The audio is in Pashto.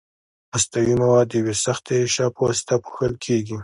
هستوي مواد د یوې سختې غشا په واسطه پوښل کیږي.